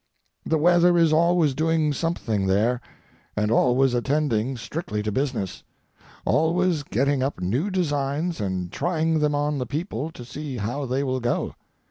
The weather is always doing something there; always attending strictly to business; always getting up new designs and trying them on the people to see how they will go.